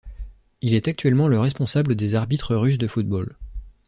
Il est actuellement le responsable des arbitres russes de football.